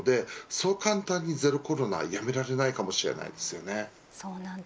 そう簡単にゼロコロナはやめられないかもしれません。